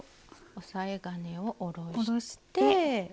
押さえ金を下ろして。